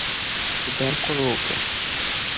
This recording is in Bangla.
বের করো ওকে!